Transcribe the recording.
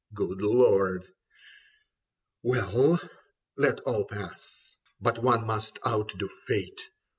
Good Lord ! Well, let all pass. But one must outdo fate.